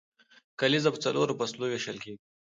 کلیزه په څلورو فصلو ویشل کیږي.